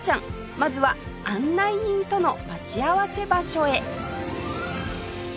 まずは案内人との待ち合わせ場所へ